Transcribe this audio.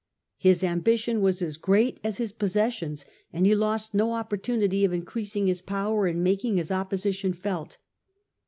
His ambition was as great as his possessions, and he lost no opportunity of increasing his power and making his opposition felt.